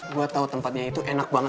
gue tau tempatnya itu enak banget